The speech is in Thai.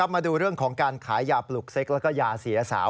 มาดูเรื่องของการขายยาปลุกเซ็กแล้วก็ยาเสียสาว